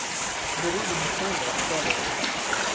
The reading forthwith followed.